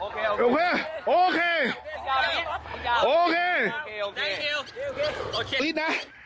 คุยกันไหน